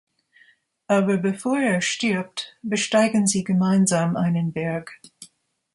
Aber bevor er stirbt, besteigen sie gemeinsam einen Berg.